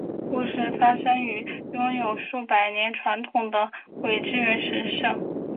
故事发生于拥有数百年传统的苇之原神社。